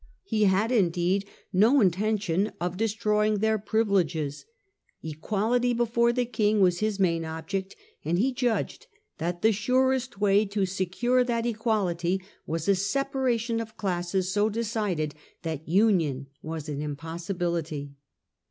He had indeed The no no intention of destroying their privileges, biesse. Equality before the King was his main object, and he judged that the surest way to secure that equality was a separation of classes so decided that union was an impossibility.